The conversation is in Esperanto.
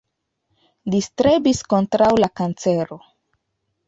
Li strebis kontraŭ la kancero.